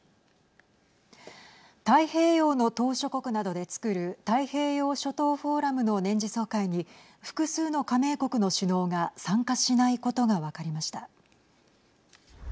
太平洋の島しょ国などでつくる太平洋諸島フォーラムの年次総会に複数の加盟国の首脳が参加しないことが分かりました。